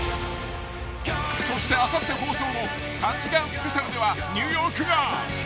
［そしてあさって放送の３時間スペシャルではニューヨークが］